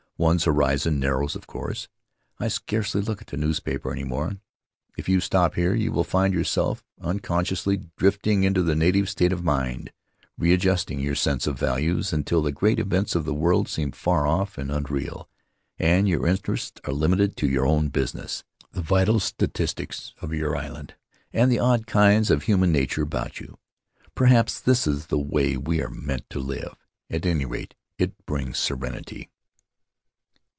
One's horizon narrows, of course; I scarcely look at the newspaper any more. If you stop here you will find yourself unconsciously drifting into the native state of mind, readjusting your sense of values until the great events of the world seem far off and unreal, and your interests are limited to your own business, the vital statistics of your island, and the odd kinks of human nature about you. Perhaps this is the way we are meant to live; at any rate, it brings serenity.